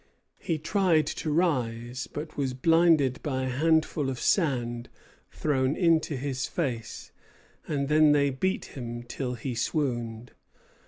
He tried to rise, but was blinded by a handful of sand thrown into his face; and then they beat him till he swooned.